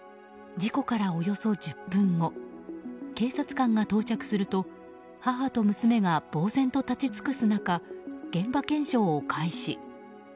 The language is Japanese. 事故からおよそ１０分後警察官が到着すると母と娘が呆然と立ち尽くす中現場検証を開始。